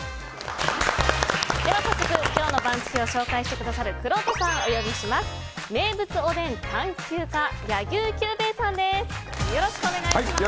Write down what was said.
早速、今日の番付を紹介してくださるくろうとさんをお呼びします。